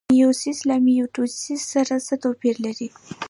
میوسیس له مایټوسیس سره څه توپیر لري؟